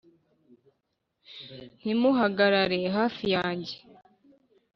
ntimuhagarare hafi yanjye